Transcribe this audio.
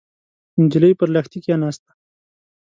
نجلۍ پر لښتي کېناسته.